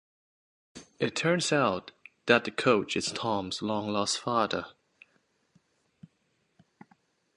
It turns out that the coach is Tom's long-lost father.